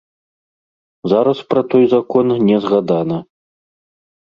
Зараз пра той закон не згадана.